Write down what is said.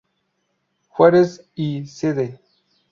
Juárez y Cd.